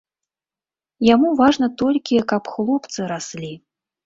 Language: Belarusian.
Яму важна толькі, каб хлопцы раслі.